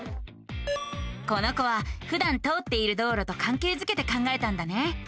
この子はふだん通っている道路とかんけいづけて考えたんだね。